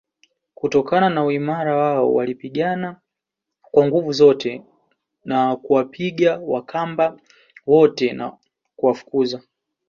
kutokana na uimara wao walipigana kwa nguvu zote na kuwapiga Wakamba wote na kuwafukuza